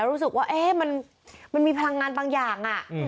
รู้สึกว่ามันมีพลังงานบางอย่าง